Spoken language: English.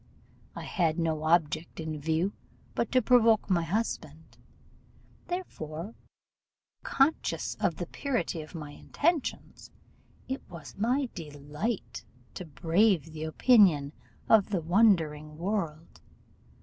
I had no object in view but to provoke my husband; therefore, conscious of the purity of my intentions, it was my delight to brave the opinion of the wondering world.